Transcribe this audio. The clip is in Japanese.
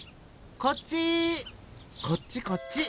こっちこっち！